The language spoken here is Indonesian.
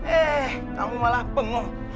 eh kamu malah bengong